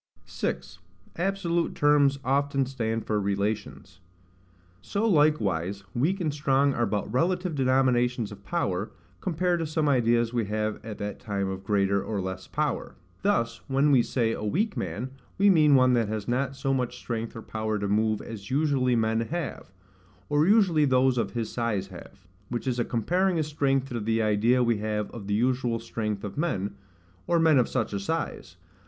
6. Absolute Terms often stand for Relations. So likewise weak and strong are but relative denominations of power, compared to some ideas we have at that time of greater or less power. Thus, when we say a weak man, we mean one that has not so much strength or power to move as usually men have, or usually those of his size have; which is a comparing his strength to the idea we have of the usual strength of men, or men of such a size.